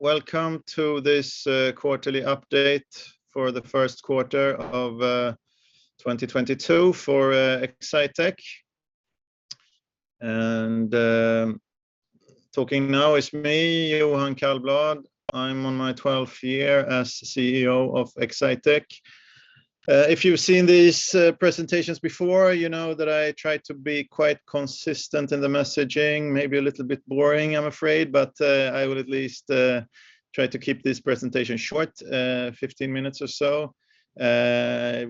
Welcome to this quarterly update for the Q1 of 2022 for Exsitec. Talking now is me, Johan Kallblad. I'm on my twelfth year as CEO of Exsitec. If you've seen these presentations before, you know that I try to be quite consistent in the messaging, maybe a little bit boring, I'm afraid, but I will at least try to keep this presentation short, 15 minutes or so.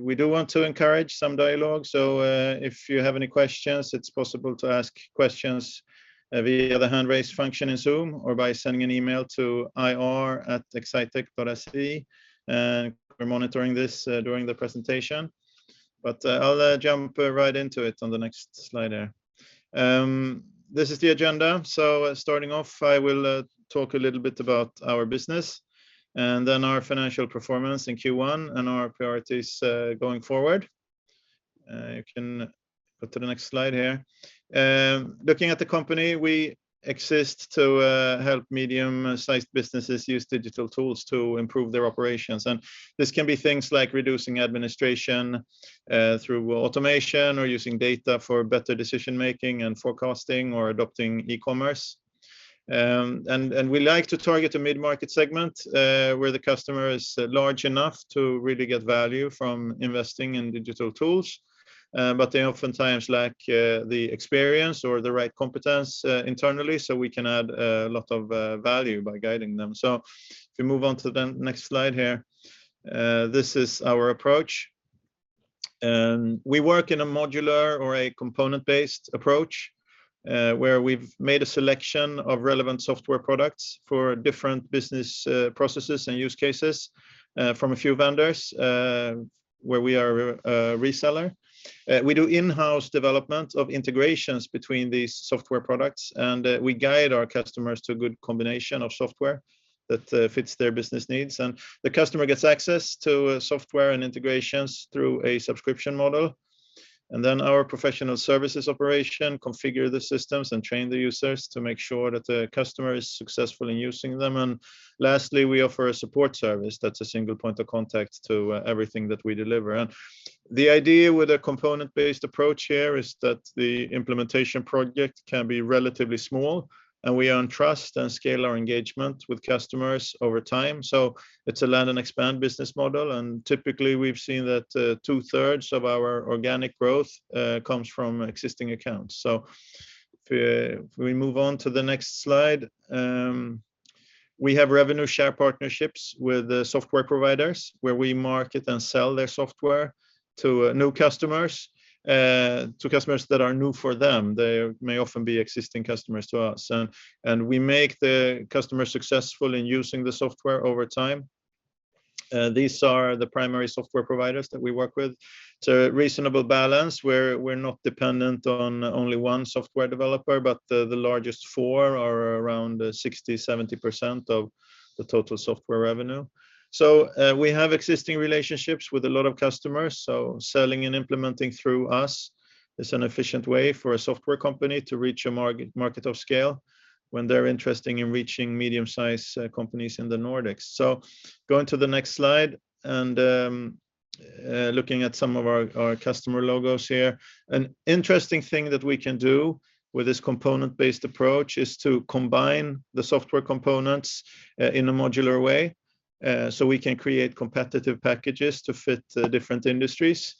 We do want to encourage some dialogue, so if you have any questions, it's possible to ask questions via the hand raise function in Zoom or by sending an email to ir@exsitec.se. We're monitoring this during the presentation. I'll jump right into it on the next slide here. This is the agenda. Starting off, I will talk a little bit about our business and then our financial performance in Q1 and our priorities going forward. You can go to the next slide here. Looking at the company, we exist to help medium-sized businesses use digital tools to improve their operations. This can be things like reducing administration through automation or using data for better decision-making and forecasting or adopting e-commerce. We like to target a mid-market segment where the customer is large enough to really get value from investing in digital tools but they oftentimes lack the experience or the right competence internally, so we can add a lot of value by guiding them. If we move on to the next slide here, this is our approach. We work in a modular or a component-based approach, where we've made a selection of relevant software products for different business processes and use cases, from a few vendors, where we are a reseller. We do in-house development of integrations between these software products, and we guide our customers to a good combination of software that fits their business needs. The customer gets access to software and integrations through a subscription model, and then our professional services operation configure the systems and train the users to make sure that the customer is successful in using them. Lastly, we offer a support service that's a single point of contact to everything that we deliver. The idea with a component-based approach here is that the implementation project can be relatively small, and we earn trust and scale our engagement with customers over time. It's a learn and expand business model, and typically, we've seen that 2/3 of our organic growth comes from existing accounts. If we move on to the next slide. We have revenue share partnerships with the software providers where we market and sell their software to new customers, to customers that are new for them. They may often be existing customers to us. We make the customer successful in using the software over time. These are the primary software providers that we work with. It's a reasonable balance. We're not dependent on only one software developer, but the largest four are around 60% to 70% of the total software revenue. We have existing relationships with a lot of customers, so selling and implementing through us is an efficient way for a software company to reach a market of scale when they're interested in reaching medium-sized companies in the Nordics. Going to the next slide and looking at some of our customer logos here. An interesting thing that we can do with this component-based approach is to combine the software components in a modular way, so we can create competitive packages to fit different industries.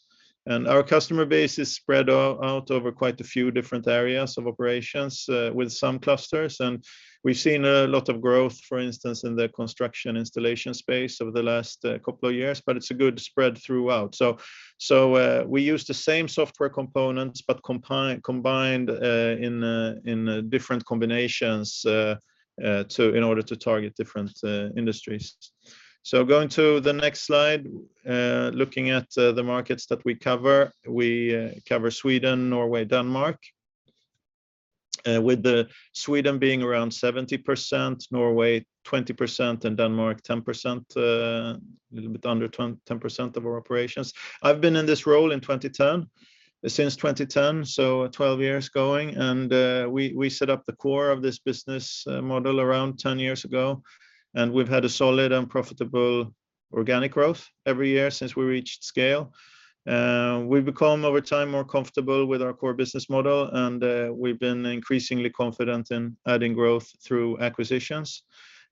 Our customer base is spread out over quite a few different areas of operations with some clusters. We've seen a lot of growth, for instance, in the construction installation space over the last couple of years, but it's a good spread throughout. We use the same software components, but combined in different combinations in order to target different industries. Going to the next slide, looking at the markets that we cover. We cover Sweden, Norway, Denmark, with Sweden being around 70%, Norway 20%, and Denmark 10%, little bit under 10% of our operations. I've been in this role since 2010, so 12 years going. We set up the core of this business model around 10 years ago, and we've had a solid and profitable organic growth every year since we reached scale. We've become, over time, more comfortable with our core business model, and we've been increasingly confident in adding growth through acquisitions,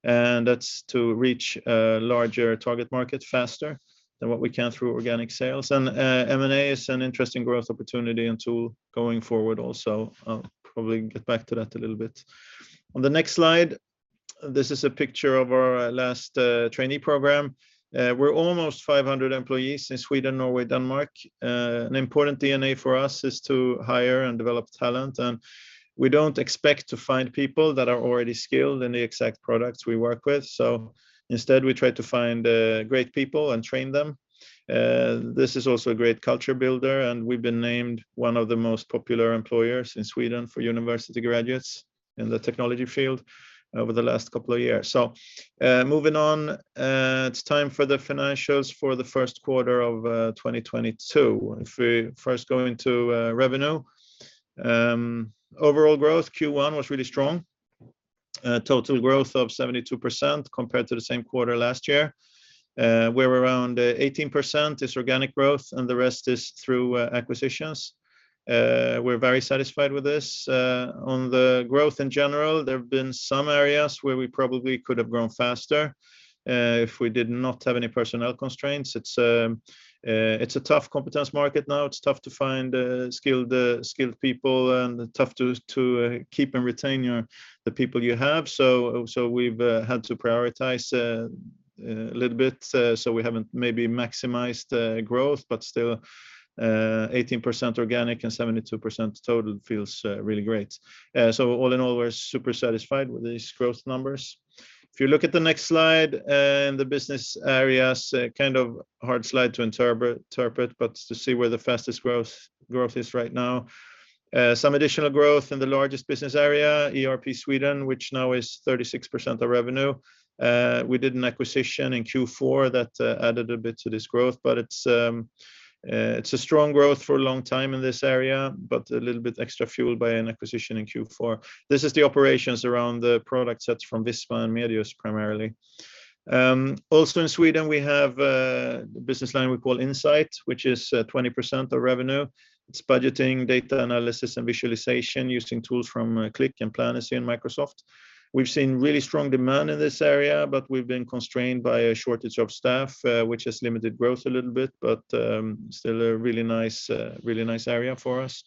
and that's to reach a larger target market faster than what we can through organic sales. M&A is an interesting growth opportunity and tool going forward also. I'll probably get back to that a little bit. On the next slide, this is a picture of our last trainee program. We're almost 500 employees in Sweden, Norway, Denmark. An important DNA for us is to hire and develop talent. We don't expect to find people that are already skilled in the exact products we work with. Instead, we try to find great people and train them. This is also a great culture builder, and we've been named one of the most popular employers in Sweden for university graduates in the technology field over the last couple of years. Moving on, it's time for the financials for the Q1 of 2022. If we first go into revenue, overall growth, Q1 was really strong. Total growth of 72% compared to the same quarter last year, where around 18% is organic growth and the rest is through acquisitions. We're very satisfied with this. On the growth in general, there have been some areas where we probably could have grown faster if we did not have any personnel constraints. It's a tough competence market now. It's tough to find skilled people and tough to keep and retain the people you have. We've had to prioritize a little bit, so we haven't maybe maximized the growth, but still, 18% organic and 72% total feels really great. All in all, we're super satisfied with these growth numbers. If you look at the next slide in the business areas, kind of hard slide to interpret, but to see where the fastest growth is right now. Some additional growth in the largest business area, ERP Sweden, which now is 36% of revenue. We did an acquisition in Q4 that added a bit to this growth, but it's a strong growth for a long time in this area, but a little bit extra fueled by an acquisition in Q4. This is the operations around the product sets from Visma and Medius primarily. Also in Sweden, we have the business line we call Insight, which is 20% of revenue. It's budgeting, data analysis, and visualization using tools from Qlik, Planacy, and Microsoft. We've seen really strong demand in this area, but we've been constrained by a shortage of staff, which has limited growth a little bit, but still a really nice area for us.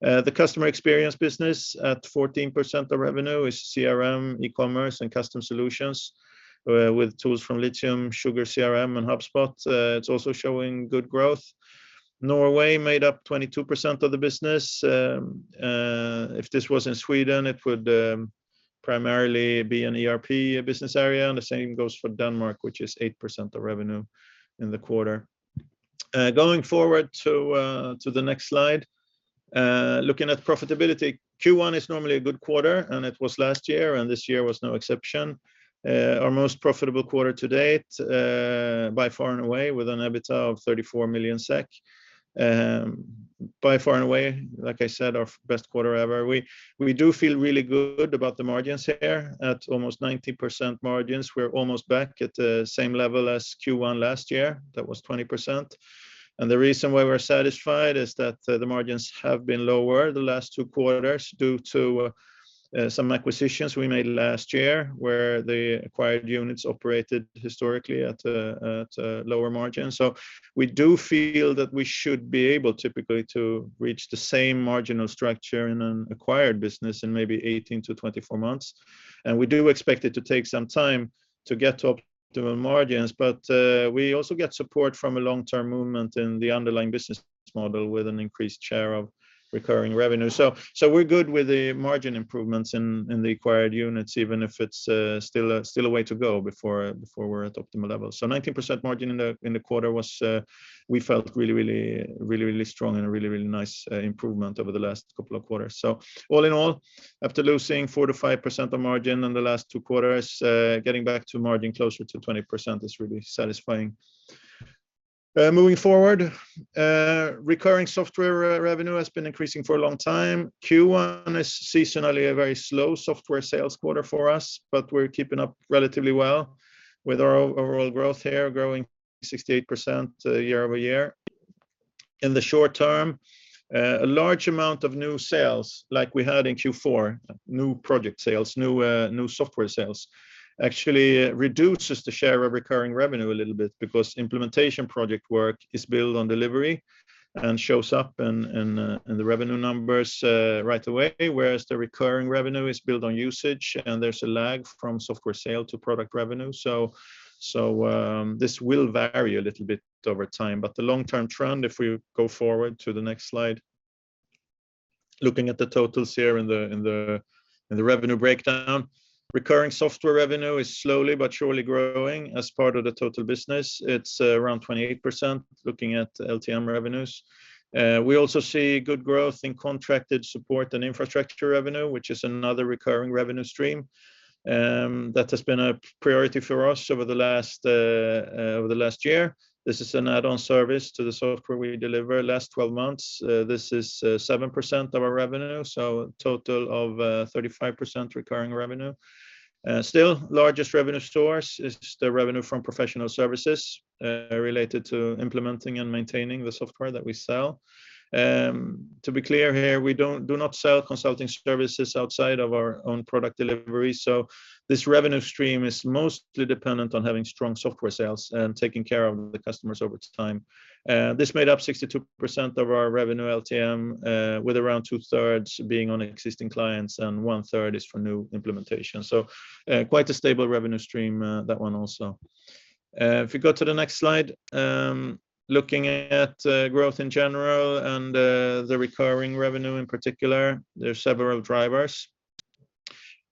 The customer experience business at 14% of revenue is CRM, e-commerce, and custom solutions with tools from Litium, SugarCRM, and HubSpot. It's also showing good growth. Norway made up 22% of the business. If this was in Sweden, it would primarily be an ERP business area, and the same goes for Denmark, which is 8% of revenue in the quarter. Going forward to the next slide, looking at profitability, Q1 is normally a good quarter, and it was last year, and this year was no exception. Our most profitable quarter to date, by far and away with an EBITDA of 34 million SEK. By far and away, like I said, our best quarter ever. We do feel really good about the margins here. At almost 90% margins, we're almost back at the same level as Q1 last year. That was 20%. The reason why we're satisfied is that the margins have been lower the last two quarters due to some acquisitions we made last year where the acquired units operated historically at a lower margin. We do feel that we should be able typically to reach the same marginal structure in an acquired business in maybe 18 to 24 months. We do expect it to take some time to get to optimal margins, but we also get support from a long-term movement in the underlying business model with an increased share of recurring revenue. We're good with the margin improvements in the acquired units, even if it's still a way to go before we're at optimal levels. 19% margin in the quarter was we felt really strong and a really nice improvement over the last couple of quarters. All in all, after losing 4% to 5% of margin in the last two quarters, getting back to margin closer to 20% is really satisfying. Moving forward, recurring software revenue has been increasing for a long time. Q1 is seasonally a very slow software sales quarter for us, but we're keeping up relatively well with our overall growth here growing 68% year-over-year. In the short term, a large amount of new sales like we had in Q4, new project sales, new software sales, actually reduces the share of recurring revenue a little bit because implementation project work is built on delivery and shows up in the revenue numbers right away, whereas the recurring revenue is built on usage, and there's a lag from software sale to product revenue. This will vary a little bit over time. The long-term trend, if we go forward to the next slide, looking at the totals here in the revenue breakdown, recurring software revenue is slowly but surely growing as part of the total business. It's around 28% looking at LTM revenues. We also see good growth in contracted support and infrastructure revenue, which is another recurring revenue stream that has been a priority for us over the last year. This is an add-on service to the software we deliver last 12 months. This is 7% of our revenue, so a total of 35% recurring revenue. Still largest revenue source is the revenue from professional services related to implementing and maintaining the software that we sell. To be clear here, we do not sell consulting services outside of our own product delivery, so this revenue stream is mostly dependent on having strong software sales and taking care of the customers over time. This made up 62% of our revenue LTM with around two-thirds being on existing clients and one-third for new implementation. Quite a stable revenue stream, that one also. If you go to the next slide, looking at growth in general and the recurring revenue in particular, there are several drivers.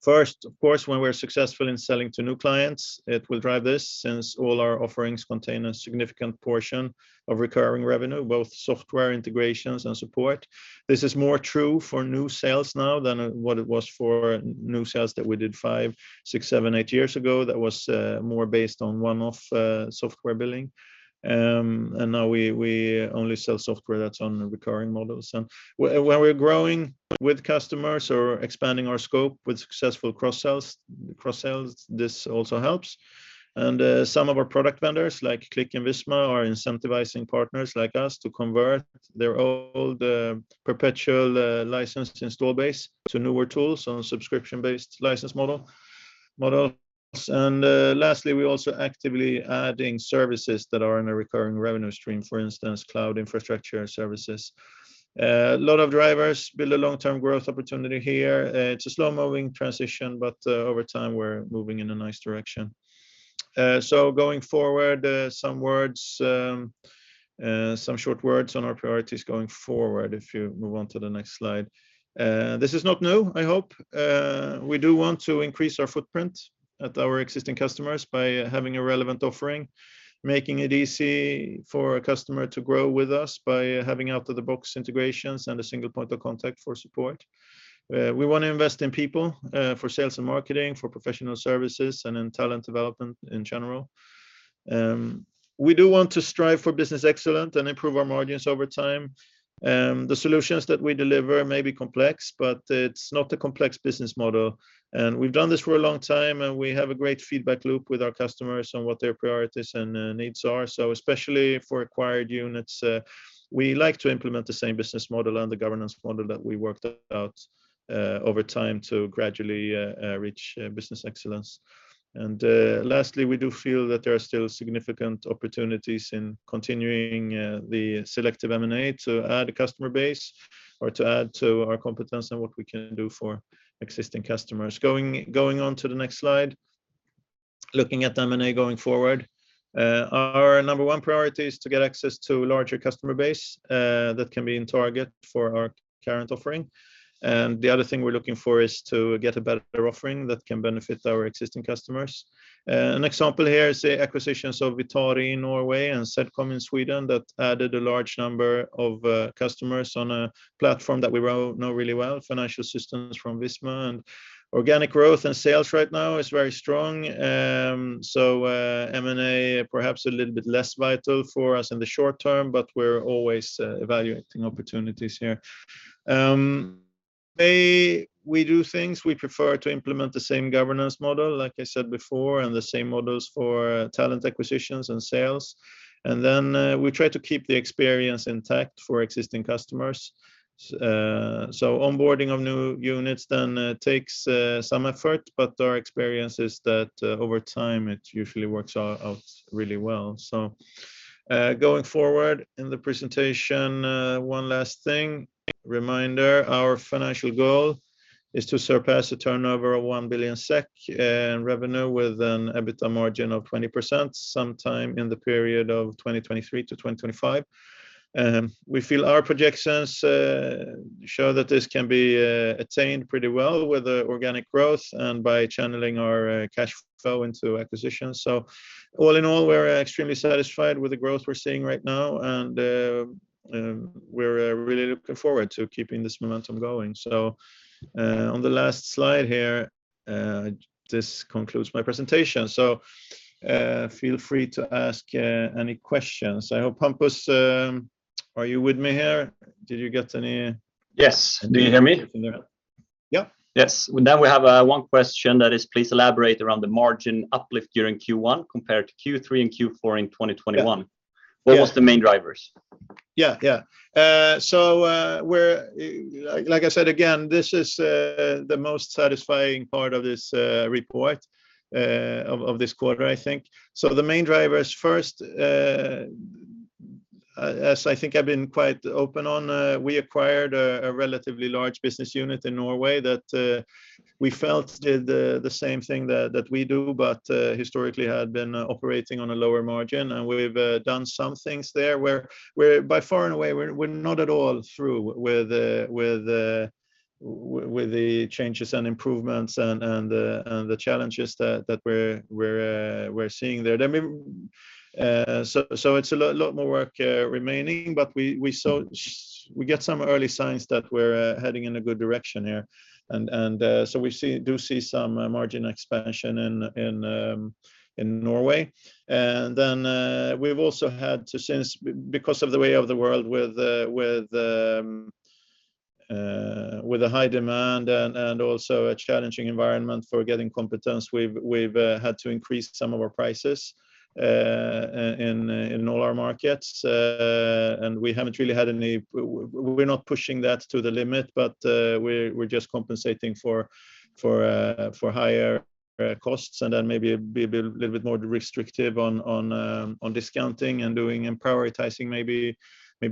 First, of course, when we're successful in selling to new clients, it will drive this since all our offerings contain a significant portion of recurring revenue, both software integrations and support. This is more true for new sales now than what it was for new sales that we did five, six, seven, eight years ago that was more based on one-off software billing. Now we only sell software that's on recurring models. Where we're growing with customers or expanding our scope with successful cross sales, this also helps. Some of our product vendors, like Qlik and Visma, are incentivizing partners like us to convert their old perpetual licensed install base to newer tools on a subscription-based license model. Lastly we're also actively adding services that are in a recurring revenue stream, for instance, cloud infrastructure services. A lot of drivers build a long-term growth opportunity here. It's a slow-moving transition, but over time we're moving in a nice direction. Going forward, some short words on our priorities going forward, if you move on to the next slide. This is not new, I hope. We do want to increase our footprint at our existing customers by having a relevant offering, making it easy for a customer to grow with us by having out of the box integrations and a single point of contact for support. We wanna invest in people, for sales and marketing, for professional services, and in talent development in general. We do want to strive for business excellence and improve our margins over time. The solutions that we deliver may be complex, but it's not a complex business model. We've done this for a long time, and we have a great feedback loop with our customers on what their priorities and needs are. Especially for acquired units, we like to implement the same business model and the governance model that we worked out over time to gradually reach business excellence. Lastly, we do feel that there are still significant opportunities in continuing the selective M&A to add a customer base or to add to our competence and what we can do for existing customers. Going on to the next slide, looking at M&A going forward. Our number one priority is to get access to a larger customer base that can be a target for our current offering. The other thing we're looking for is to get a better offering that can benefit our existing customers. An example here is the acquisitions of Vitari in Norway and Zedcom in Sweden that added a large number of customers on a platform that we know really well, financial systems from Visma. Organic growth and sales right now is very strong. M&A perhaps a little bit less vital for us in the short term, but we're always evaluating opportunities here. We do things, we prefer to implement the same governance model, like I said before, and the same models for talent acquisitions and sales. We try to keep the experience intact for existing customers. Onboarding of new units then takes some effort, but our experience is that over time, it usually works out really well. Going forward in the presentation, one last thing. Reminder, our financial goal is to surpass a turnover of 1 billion SEK in revenue with an EBITDA margin of 20% sometime in the period of 2023 to 2025. We feel our projections show that this can be attained pretty well with the organic growth and by channeling our cash flow into acquisitions. All in all, we're extremely satisfied with the growth we're seeing right now, and we're really looking forward to keeping this momentum going. On the last slide here, this concludes my presentation. Feel free to ask any questions. I hope, Hampus, are you with me here? Did you get any. Yes. Do you hear me? Yeah. Yes. Now we have one question that is, please elaborate around the margin uplift during Q1 compared to Q3 and Q4 in 2021? Yeah. Yeah. What was the main drivers? Yeah, yeah. Like I said, again, this is the most satisfying part of this report of this quarter, I think. The main drivers first, as I think I've been quite open on, we acquired a relatively large business unit in Norway that we felt did the same thing that we do, but historically had been operating on a lower margin. We've done some things there. We're by far and away not at all through with the changes and improvements and the challenges that we're seeing there. It's a lot more work remaining, but we get some early signs that we're heading in a good direction here. We do see some margin expansion in Norway. We've also had to, because of the way of the world with a high demand and also a challenging environment for getting competence, we've had to increase some of our prices in all our markets. We haven't really had any. We're not pushing that to the limit, but we're just compensating for higher costs and then maybe be a little bit more restrictive on discounting and doing and prioritizing maybe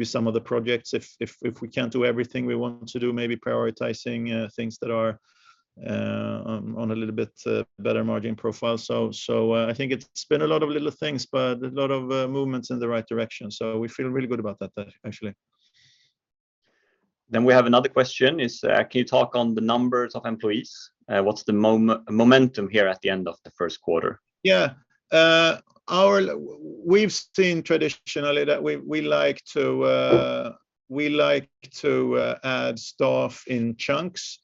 some of the projects. If we can't do everything we want to do, maybe prioritizing things that are on a little bit better margin profile. I think it's been a lot of little things, but a lot of movements in the right direction. We feel really good about that, actually. We have another question: can you talk on the numbers of employees? What's the momentum here at the end of the Q1? Yeah. We've seen traditionally that we like to add staff in chunks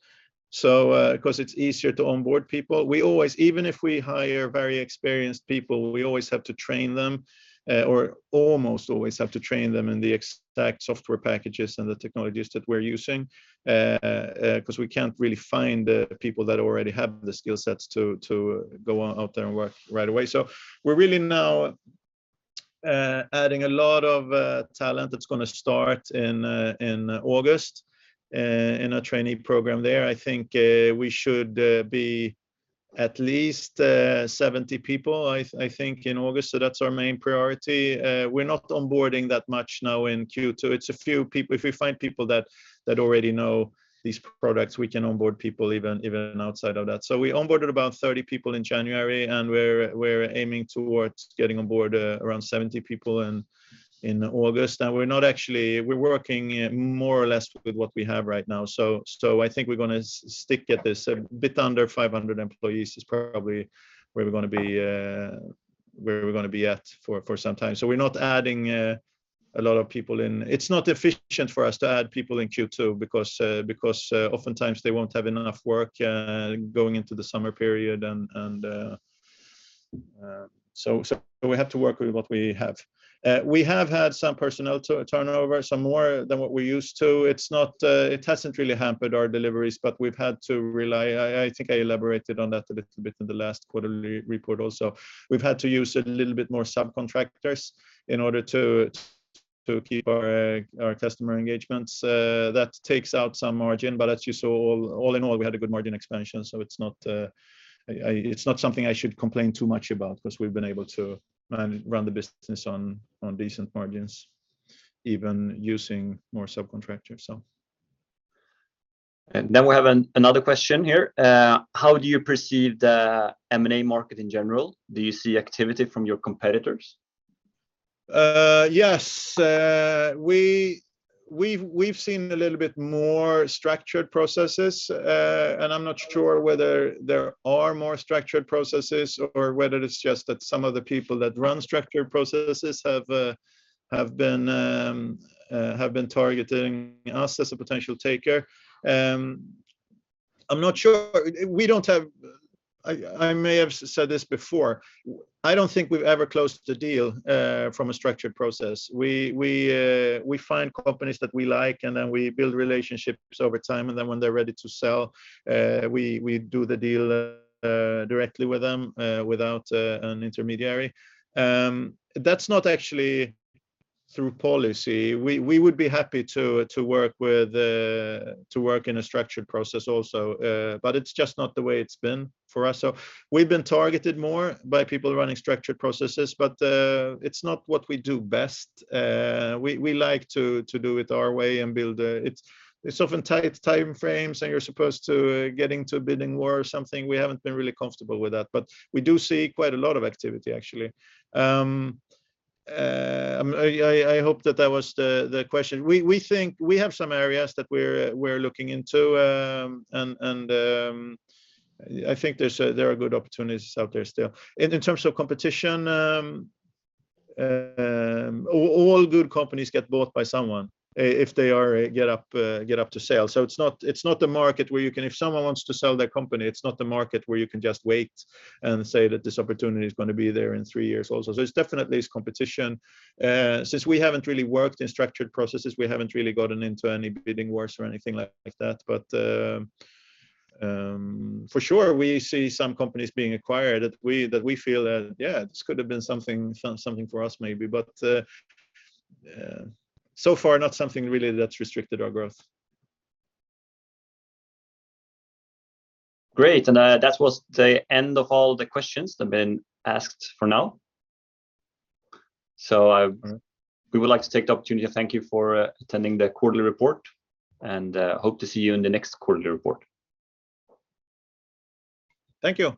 so 'cause it's easier to onboard people. We always, even if we hire very experienced people, we always have to train them or almost always have to train them in the exact software packages and the technologies that we're using 'cause we can't really find the people that already have the skill sets to go out there and work right away. We're really now adding a lot of talent that's gonna start in August in a training program there. I think we should be at least 70 people, I think, in August, so that's our main priority. We're not onboarding that much now in Q2. It's a few people. If we find people that already know these products, we can onboard people even outside of that. We onboarded about 30 people in January, and we're aiming towards getting on board around 70 people in August. Now, we're working more or less with what we have right now. I think we're gonna stick at this. A bit under 500 employees is probably where we're gonna be at for some time. We're not adding a lot of people in. It's not efficient for us to add people in Q2 because oftentimes they won't have enough work going into the summer period and so we have to work with what we have. We have had some personnel turnover, some more than what we're used to. It's not, it hasn't really hampered our deliveries, but we've had to rely. I think I elaborated on that a bit in the last quarterly report also. We've had to use a little bit more subcontractors in order to keep our customer engagements. That takes out some margin, but as you saw, all in all, we had a good margin expansion, so it's not something I should complain too much about 'cause we've been able to run the business on decent margins even using more subcontractors, so. Now we have another question here. How do you perceive the M&A market in general? Do you see activity from your competitors? Yes. We've seen a little bit more structured processes, and I'm not sure whether there are more structured processes or whether it's just that some of the people that run structured processes have been targeting us as a potential taker. I'm not sure. I may have said this before. I don't think we've ever closed a deal from a structured process. We find companies that we like, and then we build relationships over time. Then when they're ready to sell, we do the deal directly with them without an intermediary. That's actually our policy. We would be happy to work in a structured process also, but it's just not the way it's been for us. We've been targeted more by people running structured processes, but it's not what we do best. We like to do it our way. It's often tight timeframes, and you're supposed to get into a bidding war or something. We haven't been really comfortable with that. We do see quite a lot of activity, actually. I hope that was the question. We think we have some areas that we're looking into, and I think there are good opportunities out there still. In terms of competition, all good companies get bought by someone if they get put up for sale. It's not the market where you can. If someone wants to sell their company, it's not the market where you can just wait and say that this opportunity is gonna be there in three years also. It's definitely. There's competition. Since we haven't really worked in structured processes, we haven't really gotten into any bidding wars or anything like that. So far not something really that's restricted our growth. Great, and, that was the end of all the questions that have been asked for now. Mm-hmm. We would like to take the opportunity to thank you for attending the quarterly report and hope to see you in the next quarterly report. Thank you.